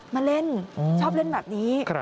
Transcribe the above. มาเล่นชอบเล่นแบบนี้